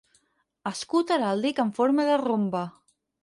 Escut heràldic en forma de rombe.